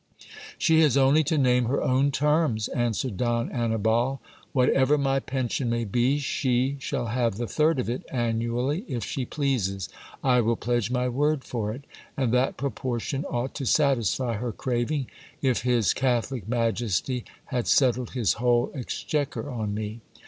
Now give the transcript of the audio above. She has only to name her own terms, answered Don Annibal. Whatever my pension may be, she shall have the third of it annually if she pleases ; I will pledge my word for it ; and that proportion ought to satisfy her craving, if his Catholic Majesty had settled his whole exchequer on me.